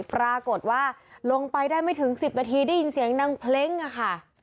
ปรากฏว่าลงไปได้ไม่ถึง๑๐นาทีได้ยินเสียงนางเพล้งอะค่ะ